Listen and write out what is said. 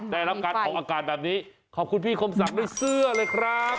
แต่จากอาการแบบนี้ขอบคุณพี่โค้มศักดิ์ได้เสื้อเลยครับ